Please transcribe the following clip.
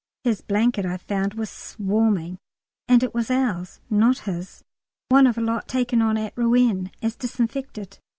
His blanket, I found, was swarming, and it was ours, not his, one of a lot taken on at Rouen as "disinfected"!